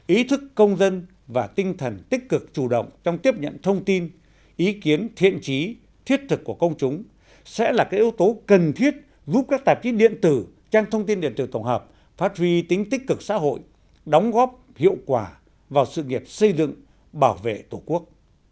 ý thức công dân và tinh thần tích cực chủ động trong tiếp nhận thông tin ý kiến thiện trí thiết thực của công chúng sẽ là cái yếu tố cần thiết giúp các tạp chí điện tử trang thông tin điện tử tổng hợp phát huy tính tích cực xã hội đóng góp hiệu quả vào sự nghiệp xây dựng bảo vệ tổ quốc